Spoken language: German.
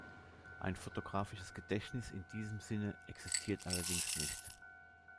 Ein fotografisches Gedächtnis in diesem Sinne existiert allerdings nicht.